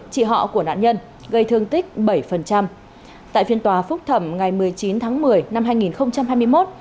chị họ của nạn nhân gây thương tích bảy tại phiên tòa phúc thẩm ngày một mươi chín tháng một mươi năm hai nghìn hai mươi một